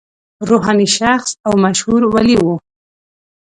روحاني شخص او مشهور ولي و.